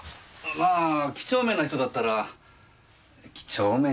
まぁ几帳面な人だったら几帳面じゃないか。